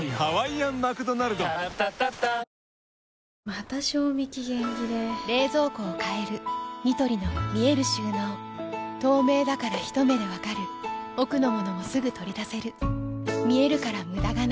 また賞味期限切れ冷蔵庫を変えるニトリの見える収納透明だからひと目で分かる奥の物もすぐ取り出せる見えるから無駄がないよし。